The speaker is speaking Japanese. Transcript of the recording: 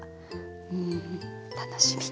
うん楽しみ。